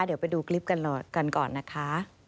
เดี๋ยวไปดูคลิปกันก่อนนะคะ